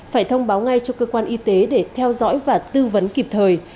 phải thông báo ngay cho cơ quan y tế để theo dõi và tư vấn kịp thời